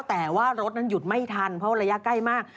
แต่ว่ารถนั้นหยุดไม่ทันเพราะระยะใกล้มาก